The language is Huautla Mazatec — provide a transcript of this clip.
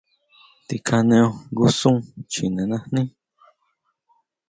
Tikjaneo jngu sún chjine najní.